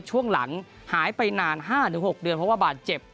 ช่วงหลังหายไปนาน๕๖เดือนเพราะว่าบาดเจ็บ